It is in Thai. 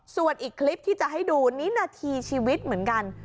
ส่วนอีกคลิปที่จะให้ดูนี่นาทีชีวิตเหมือนกัน